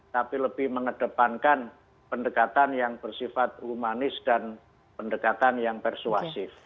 tapi lebih mengedepankan pendekatan yang bersifat humanis dan pendekatan yang persuasif